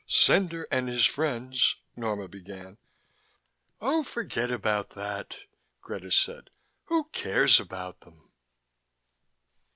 "Cendar and his friends " Norma began. "Oh, forget about that," Greta said. "Who cares about them?"